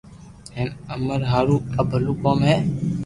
ھين امو ھارون آ بلو ڪوم ھي